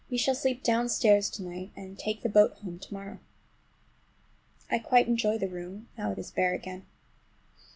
We shall sleep downstairs to night, and take the boat home to morrow. I quite enjoy the room, now it is bare again.